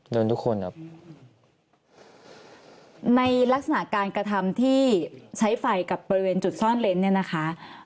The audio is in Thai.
ทุกคนครับในลักษณะการกระทำที่ใช้ไฟกับบริเวณจุดซ่อนเล้นเนี่ยนะคะ